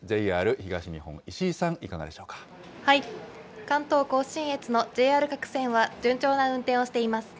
ＪＲ東日本、石井さん、いかがで関東甲信越のＪＲ各線は順調な運転をしています。